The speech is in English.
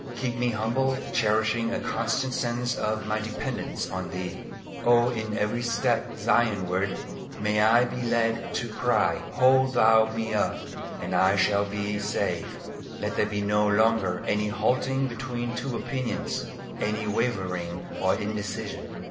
Keep me humble, cherishing a constant sense of my dependence on Thee. Oh in every step Zionward, may I be led to cry, "Hold Thou me up, and I shall be safe." Let there be no longer any halting between two opinions, any wavering or indecision.